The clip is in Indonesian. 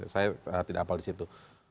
saya tidak apa disitu